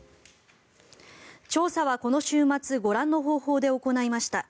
調査はこの週末ご覧の方法で行いました。